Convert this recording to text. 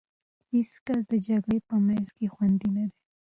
هېڅ کس د جګړې په منځ کې خوندي نه دی.